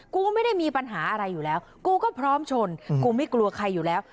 กูก็ไม่ได้มีปัญหาอะไรอยู่แล้วกูก็พร้อมชนกูไม่กลัวใครอยู่แล้ว